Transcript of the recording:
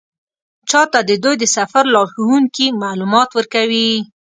چا ته د دوی د سفر لارښوونکي معلومات ورکوي.